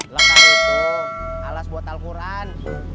lemak itu alas buat al quran